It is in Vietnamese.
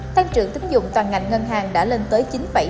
tăng trưởng tính dụng toàn ngành ngân hàng đã lên tới chín ba mươi năm